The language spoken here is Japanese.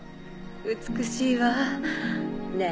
美しいわねぇ